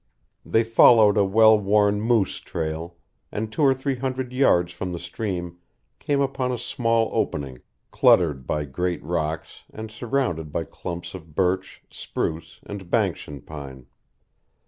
They followed a well worn moose trail, and two or three hundred yards from the stream came upon a small opening cluttered by great rocks and surrounded by clumps of birch, spruce, and banskian pine.